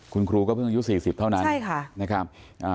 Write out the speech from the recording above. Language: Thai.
คุณครูก็เพิ่งยุค๔๐เท่านั้นใช่ค่ะ